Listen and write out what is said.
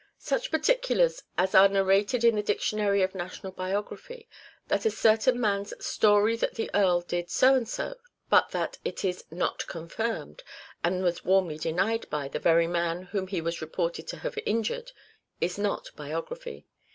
Such particulars as are narrated in the Dictionary of National Biography, that a certain man's " story that the Earl " did so and so, but that it " is not confirmed, and was warmly denied by " the very man whom he was reported to have injured, is not biography.